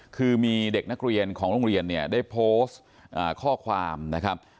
คือมีเด็กนักเรียนของโรงเรียนเนี่ยได้โพสต์ข้อความนะครับ